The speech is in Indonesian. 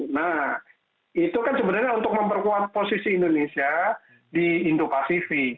nah itu kan sebenarnya untuk memperkuat posisi indonesia di indo pasifik